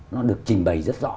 nó được trình bày rất rõ